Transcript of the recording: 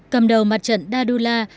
cầm đầu mặt trận dadullah